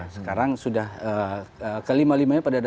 sekarang sudah kelima limanya pada